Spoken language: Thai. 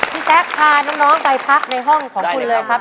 พี่แจ๊คพาน้องไปพักในห้องของคุณเลยครับ